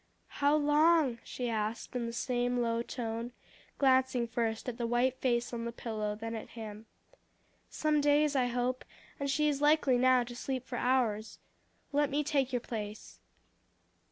"How long?" she asked in the same low tone, glancing first at the white face on the pillow, then at him. "Some days, I hope; and she is likely now to sleep for hours. Let me take your place."